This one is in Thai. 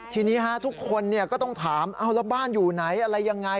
ทีนี้ทุกคนก็ต้องถามแล้วบ้านอยู่ไหนอะไรยังไง